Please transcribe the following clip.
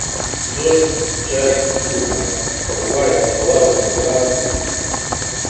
زۆر جار گوتوومە، بڕوای تەواوم وا بوو